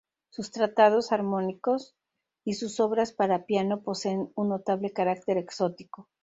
Sus tratados armónicos y sus obras para piano poseen un notable carácter exótico.